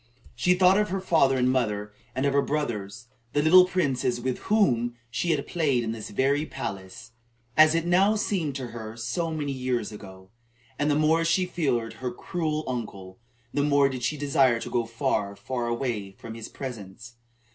She thought of her father and mother, and of her brothers, the little princes with whom she had played in this very palace, as it now seemed to her, so many years ago. And the more she feared her cruel uncle, the more did she desire to go far, far away from his presence.